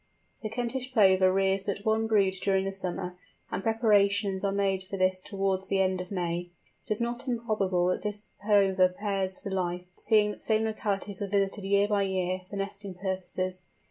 The Kentish Plover rears but one brood during the summer, and preparations are made for this towards the end of May. It is not improbable that this Plover pairs for life, seeing that the same localities are visited year by year for nesting purposes.